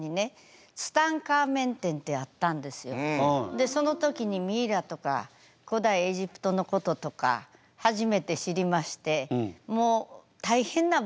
でその時にミイラとか古代エジプトのこととか初めて知りましてもう大変なブームになってたんです。